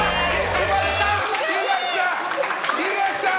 生まれた！